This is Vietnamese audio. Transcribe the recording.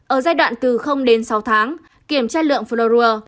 ở giai đoạn từ đến sáu tháng kiểm tra lượng flori